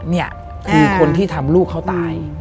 นี่คือคนที่ทำลูกเขาตาย